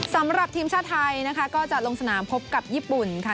สำหรับทีมชาติไทยนะคะก็จะลงสนามพบกับญี่ปุ่นค่ะ